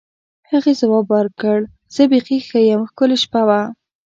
هغې ځواب ورکړ: زه بیخي ښه یم، ښکلې شپه وه.